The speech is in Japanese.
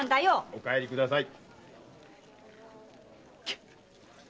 ⁉お帰りください。